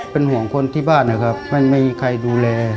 เป็นห่วงคนที่บ้านนะครับไม่มีใครดูแล